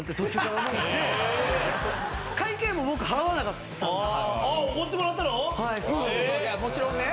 会計も僕払わなかったんです。